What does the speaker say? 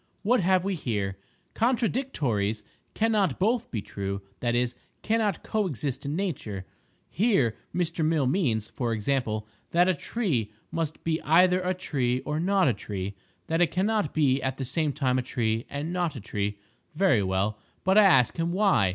What have we here?—"Contradictories cannot both be true—that is, cannot co exist in nature." Here Mr. Mill means, for example, that a tree must be either a tree or not a tree—that it cannot be at the same time a tree and not a tree. Very well; but I ask him why.